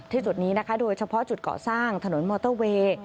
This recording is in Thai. จุดนี้นะคะโดยเฉพาะจุดเกาะสร้างถนนมอเตอร์เวย์